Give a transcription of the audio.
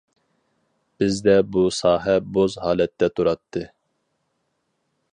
بىزدە بۇ ساھە بوز ھالەتتە تۇراتتى.